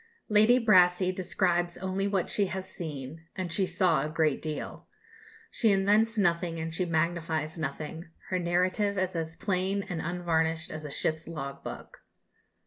Lady Brassey describes only what she has seen and she saw a great deal. She invents nothing and she magnifies nothing; her narrative is as plain and unvarnished as a ship's log book.